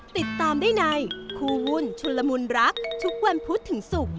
ติดตามได้ในคู่วุ่นชุนละมุนรักทุกวันพุธถึงศุกร์